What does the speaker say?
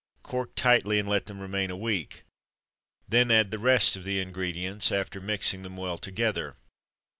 Cork tightly and let them remain a week. Then add the rest of the ingredients, after mixing them well together.